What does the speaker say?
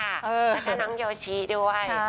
แล้วก็น้องโยชิด้วย